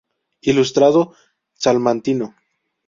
Ilustrado salmantino.